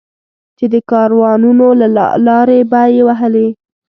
چې د کاروانونو لارې به یې وهلې.